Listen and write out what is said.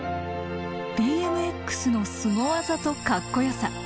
ＢＭＸのスゴ技とカッコよさ。